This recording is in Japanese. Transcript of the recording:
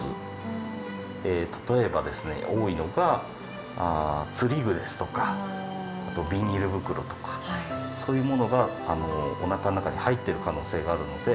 例えばですね多いのが釣り具ですとかあとはビニール袋とかそういうものがおなかの中に入ってる可能性があるので。